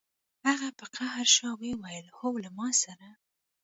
هغه په قهر شو او ویې ویل هو له ما سره